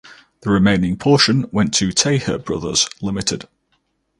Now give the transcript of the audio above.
The remaining portion went to Taher Brothers Limited.